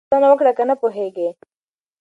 پوښتنه وکړه که نه پوهېږې.